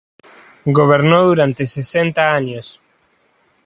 Gobernó durante sesenta años.